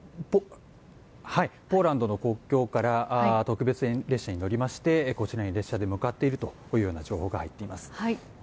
ポーランドの国境から特別列車に乗りましてこちらに列車で向かっているというような情報が入っています。